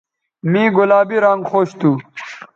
مے گلابی رانگ خوش تھو